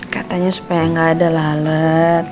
katanya supaya gak ada lalat